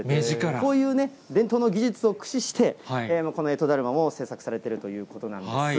こういうね、伝統の技術を駆使して、このえとだるまも制作されているということなんです。